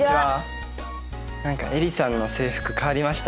何かえりさんの制服変わりましたね。